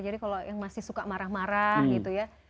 jadi kalau yang masih suka marah marah gitu ya